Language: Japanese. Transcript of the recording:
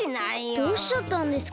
どうしちゃったんですか？